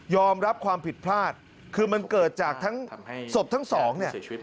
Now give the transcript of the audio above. รับความผิดพลาดคือมันเกิดจากทั้งศพทั้งสองเนี่ย